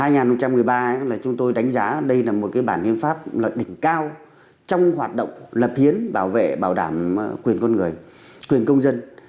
năm hai nghìn một mươi ba là chúng tôi đánh giá đây là một bản hiến pháp là đỉnh cao trong hoạt động lập hiến bảo vệ bảo đảm quyền con người quyền công dân